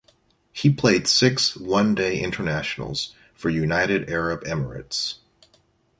He played six One Day Internationals for United Arab Emirates.